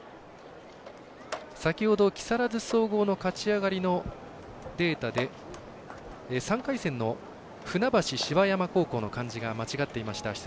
先ほど、木更津総合の勝ち上がりのデータで３回戦の船橋芝山高校の漢字が間違っていました。